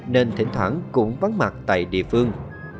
nên thỉnh thoảng